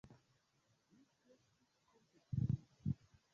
Mi kreskis kun Esperanto.